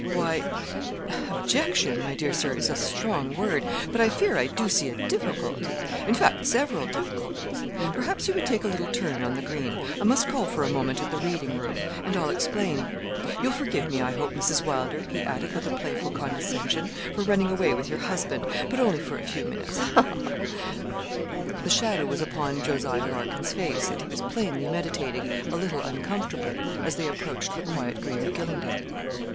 Why, objection, my dear Sir, is a strong word; but I fear I do see a difficulty in fact, several difficulties. Perhaps you would take a little turn on the green I must call for a moment at the reading room and I'll explain. You'll forgive me, I hope, Mrs. Wylder,' he added, with a playful condescension, 'for running away with your husband, but only for a few minutes ha, ha!' The shadow was upon Jos. Larkin's face, and he was plainly meditating a little uncomfortably, as they approached the quiet green of Gylingden.